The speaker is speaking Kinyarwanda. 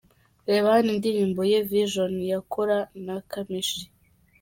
Reba hano indirimbo ye ’Vision’ yakora na Kamichi:.